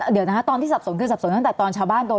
เดี๋ยวนะคะตอนที่สับสนคือสับสนตั้งแต่ตอนชาวบ้านโดน